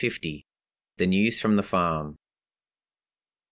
THE NEWS FROM THE FARM.